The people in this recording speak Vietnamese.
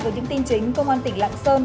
với những tin chính công an tỉnh lạng sơn